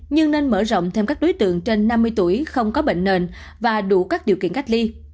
nhưng nên mở rộng thêm các đối tượng trên năm mươi tuổi không có bệnh nền và đủ các điều kiện cách ly